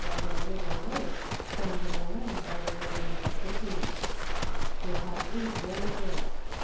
171 little lake fornieu in the liuul by the river MisslHsippi. They have eight villages.